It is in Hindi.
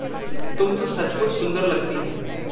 तुम तो सच-मुच सुंदर लगती हो।